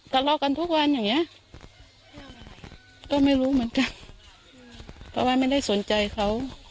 ทะเลาะกันทุกวันอย่างเงี้ยก็ไม่รู้เหมือนกันเพราะว่าไม่ได้สนใจเขา